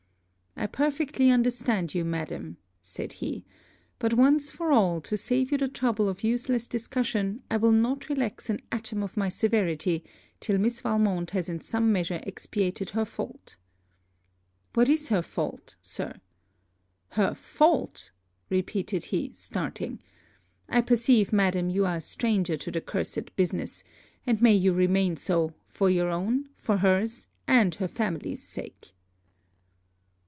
'I perfectly understand you, madam,' said he; 'but once for all, to save you the trouble of useless discussion, I will not relax an atom of my severity, till Miss Valmont has in some measure expiated her fault.' 'What is her fault, Sir?' 'Her fault!' repeated he, starting. 'I perceive madam, you are a stranger to the cursed business; and may you remain so, for your own, for her's, and her family's sake.'